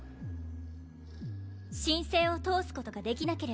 申請を通すことができなければ